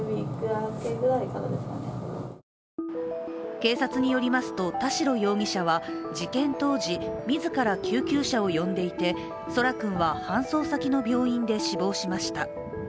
警察によりますと、田代容疑者は事件当時、自ら救急車を呼んでいて空来君は搬送先の病院で死亡しました。